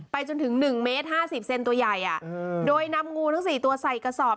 จนถึง๑เมตร๕๐เซนตัวใหญ่โดยนำงูทั้ง๔ตัวใส่กระสอบ